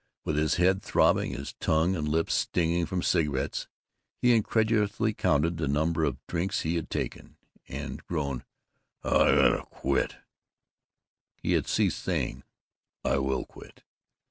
With his head throbbing, his tongue and lips stinging from cigarettes, he incredulously counted the number of drinks he had taken, and groaned, "I got to quit!" He had ceased saying, "I will quit!"